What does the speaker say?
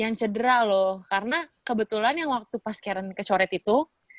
yang cedera loh karena kebetulan yang waktu pas karen kecoret itu